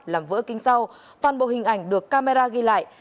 làm vỡ kính sau toàn bộ hình ảnh được camera ghi lại